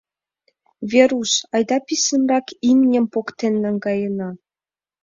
— Веруш, айда писынрак имньым поктен наҥгаена.